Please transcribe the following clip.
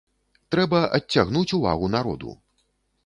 Трэба адцягнуць увагу народу.